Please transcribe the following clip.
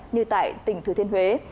như tại tỉnh thừa thiên huế